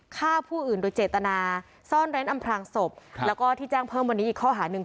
ฆ่าผู้อื่นโดยเจตนาซ่อนเร้นอำพลางศพแล้วก็ที่แจ้งเพิ่มวันนี้อีกข้อหาหนึ่ง